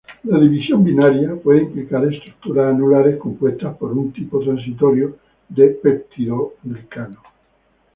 La división binaria puede implicar estructuras anulares compuestas por un tipo transitorio de peptidoglicano.